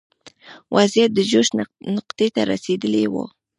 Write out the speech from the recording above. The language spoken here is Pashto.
وضعیت د جوش نقطې ته رسېدلی و.